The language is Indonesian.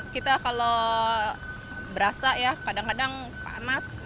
kita kalau berasa ya kadang kadang panas